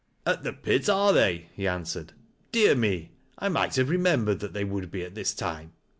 "At the pit, are they? "he answered. "Dear me! 1 might have remembered that they would be at this time.